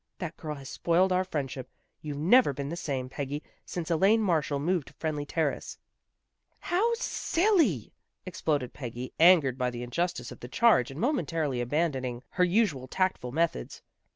That girl has spoiled our friendship. You've never been the same, Peggy, since Elaine Marshall moved to Friendly Terrace." " How silly! " exploded Peggy, angered by the injustice of the charge and momentarily abandoning her usual tactful methods.